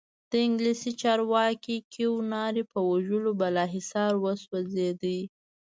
د انګلیسي چارواکي کیوناري په وژلو بالاحصار وسوځېد.